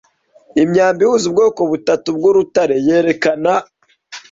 Imyambi ihuza ubwoko butatu bwurutare yerekana